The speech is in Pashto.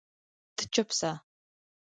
ته چپ سه